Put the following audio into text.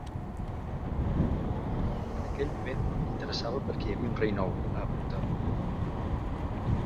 En aquell moment interessava perquè hi havia un rei nou, ha apuntat.